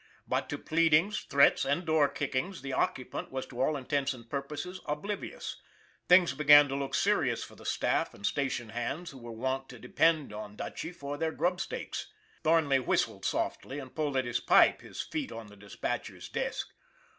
But to pleadings, threats, and door kickings the occupant was, to all intents and purposes, oblivi ous. Things began to look serious for the staff and station hands who were wont to depend on Dutchy for their grub stakes. Thornley whistled softly and pulled at his pipe, his feet on the dispatcher's desk.